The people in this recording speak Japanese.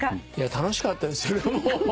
楽しかったですよねもう。